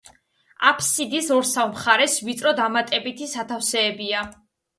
აფსიდის ორსავ მხარეს ვიწრო დამატებითი სათავსებია.